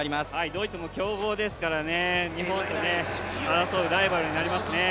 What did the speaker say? ドイツも強豪ですから日本と争うライバルになりますね。